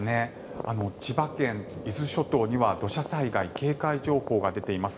千葉県、伊豆諸島には土砂災害警戒情報が出ています。